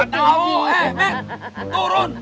ga tau eh mek turun